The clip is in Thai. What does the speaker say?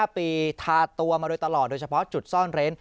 ๕ปีทาตัวมาโดยตลอดโดยเฉพาะจุดซ่อนเร้น